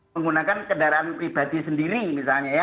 menggunakan kendaraan pribadi sendiri misalnya ya